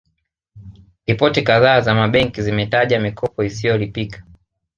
Ripoti kadhaa za mabenki zimetaja mikopo isiyolipika